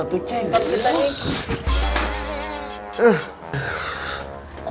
tuh ce empat kita ikut